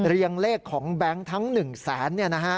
เรียงเลขของแบงค์ทั้ง๑แสน